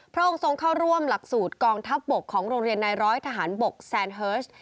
พระองค์ทรงเข้าร่วมหลักสูตรกองทัพบกของโรงเรียนนายร้อยทหารบกแซนเฮิร์ส